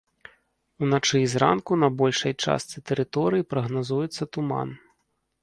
Уначы і зранку на большай частцы тэрыторыі прагназуецца туман.